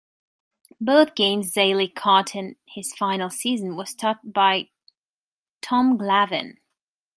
Both games Zeile caught in his final season were started by Tom Glavine.